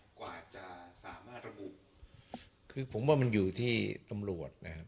จะอีกนานไหมครับกว่าจะสามารถระบุคือผมว่ามันอยู่ที่ตำรวจนะครับ